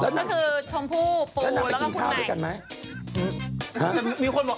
นั่นคือชมพูปูแล้วก็คุณไหนแล้วนั่นไปกินข้าวด้วยกันไหม